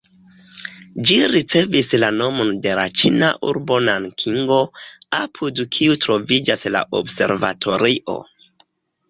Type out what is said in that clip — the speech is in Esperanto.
Ĝi ricevis la nomon de la ĉina urbo Nankingo, apud kiu troviĝas la observatorio.